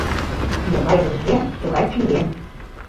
Могай вургем — тугай чием.